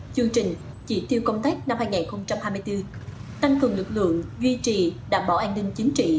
chương trình chỉ tiêu công tác năm hai nghìn hai mươi bốn tăng cường lực lượng duy trì đảm bảo an ninh chính trị